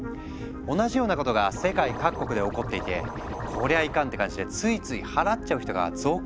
同じようなことが世界各国で起こっていて「こりゃいかん」って感じでついつい払っちゃう人が続出してるんだって。